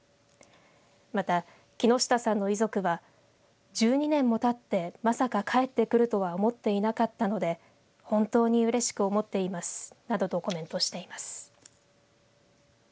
また、木下さんの遺族は１２年もたってまさか帰ってくるとは思っていなかったので本当にうれしく思っていますなどとコメントしています。